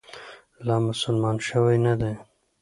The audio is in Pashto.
لا مسلمان شوی نه دی.